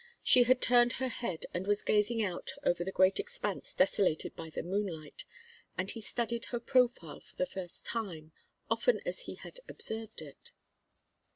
She had turned her head and was gazing out over the great expanse desolated by the moonlight, and he studied her profile for the first time, often as he had observed it.